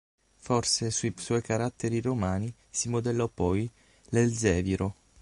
Forse sui suoi caratteri romani si modellò poi l'elzeviro.